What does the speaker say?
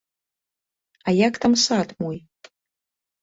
Як там сад мой?